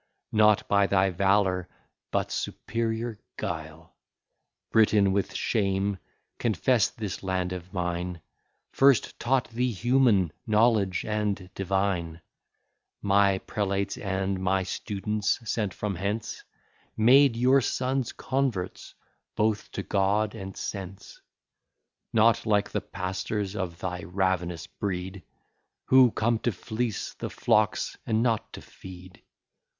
Not by thy valour, but superior guile: Britain, with shame, confess this land of mine First taught thee human knowledge and divine; My prelates and my students, sent from hence, Made your sons converts both to God and sense: Not like the pastors of thy ravenous breed, Who come to fleece the flocks, and not to feed.